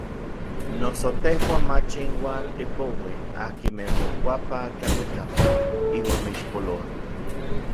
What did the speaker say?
Noso tejuan mach inuan tipouij akinmej mokuapaj tlakuitlapan iuan mixpolouaj.